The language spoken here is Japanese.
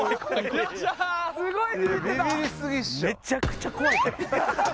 めちゃくちゃ怖いから。